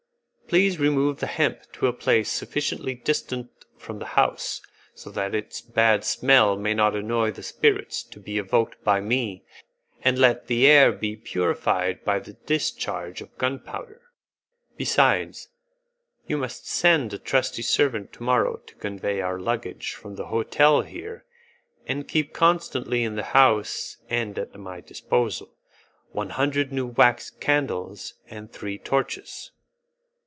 Please remove the hemp to a place sufficiently distant from the house, so that its bad smell may not annoy the spirits to be evoked by me, and let the air be purified by the discharge of gunpowder. Besides, you must send a trusty servant to morrow to convey our luggage from the hotel here, and keep constantly in the house and at my disposal one hundred new wax candles and three torches."